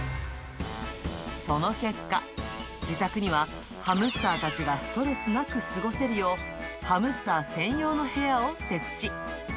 その結果、自宅にはハムスターたちがストレスなく過ごせるよう、ハムスター専用の部屋を設置。